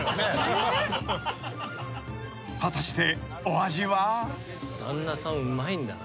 ［果たしてお味は］